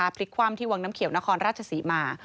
พลิกคว่ำที่วังน้ำเขียวนครราชศรีมา